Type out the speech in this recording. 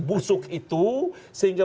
busuk itu sehingga